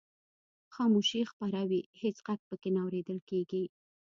خاموشي خپره وي هېڅ غږ پکې نه اورېدل کیږي.